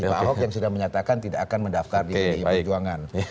pak ahok yang sudah menyatakan tidak akan mendaftar di pdi perjuangan